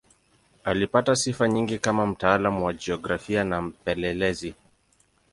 Alipata sifa nyingi kama mtaalamu wa jiografia na mpelelezi.